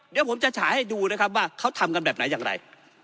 เดี๋ยวผมจะฉายให้ดูนะครับว่าเขาทำกันแบบไหนอย่างไร